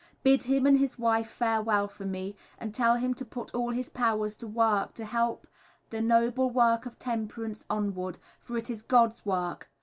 Bid him and his wife farewell for me, and tell him to put all his powers to work to help the Noble work of Temperance onward, for it is God's work.